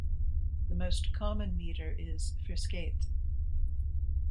The most common metre is "ferskeytt".